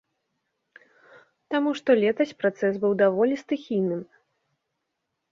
Таму што летась працэс быў даволі стыхійным.